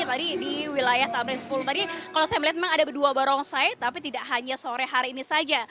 jadi di wilayah tamrin sepuluh tadi kalau saya melihat memang ada dua barongsai tapi tidak hanya sore hari ini saja